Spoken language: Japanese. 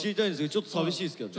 ちょっと寂しいですけどね。